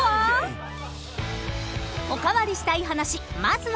［おかわりしたい話まずは］